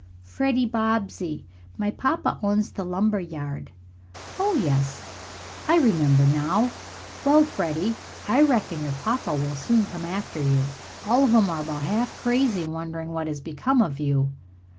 "Freddie Bobbsey. My papa owns the lumber yard." "Oh, yes, I remember now. Well, Freddie, I reckon your papa will soon come after you. All of 'em are about half crazy, wondering what has become of you."